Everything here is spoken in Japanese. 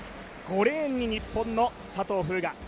５レーンに日本の佐藤風雅。